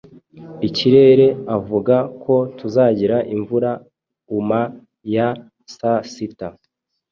Ikirere avuga ko tuzagira imvura uma ya saa sita.